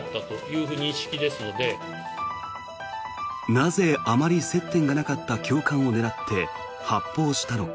なぜあまり接点がなかった教官を狙って発砲したのか。